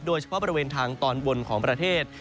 โดยเฉพาะบริเวณทางตอนบนของประเทศ